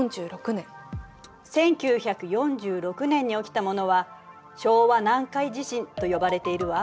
１９４６年に起きたものは「昭和南海地震」と呼ばれているわ。